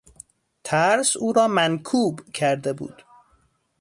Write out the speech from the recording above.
ترس او را منکوب کرده بود.